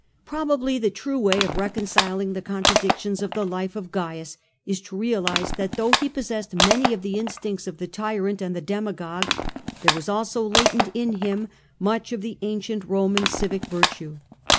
Probably the true way of reconciling the contradictions of the life of Cains is to realise that though he pos sessed many of the instincts of the tyrant and the dema gogue, there was also latent in him much of the ancient Roman civic virtue.